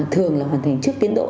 thường là hoàn thành trước tiến độ